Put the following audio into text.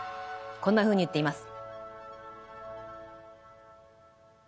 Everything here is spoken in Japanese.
こんなふうに言っています。